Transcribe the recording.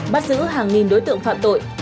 bắt giữ hàng nghìn đối tượng phạm tội